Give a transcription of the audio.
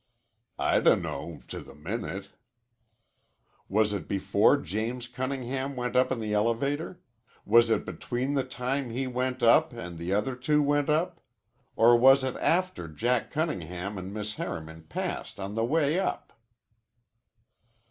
"I dunno, to the minute." "Was it before James Cunningham went up in the elevator? Was it between the time he went up an' the other two went up? Or was it after Jack Cunningham an' Miss Harriman passed on the way up?"